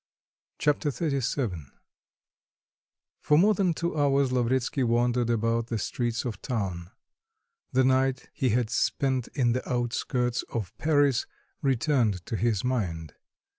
Chapter XXXVII For more than two hours Lavretsky wandered about the streets of town. The night he had spent in the outskirts of Paris returned to his mind.